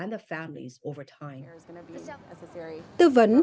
tư vấn hỗ trợ sức khỏe